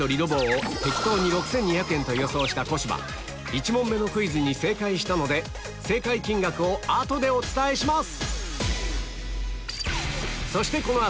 １問目のクイズに正解したので正解金額を後でお伝えします